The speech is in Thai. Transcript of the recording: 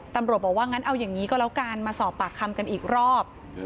ตำรวจบอกว่างั้นเอาอย่างนี้ก็แล้วกันมาสอบปากคำกันอีกรอบ